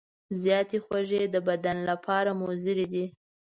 زیاتې خوږې د بدن لپاره مضرې دي.